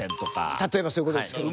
例えばそういう事ですけども。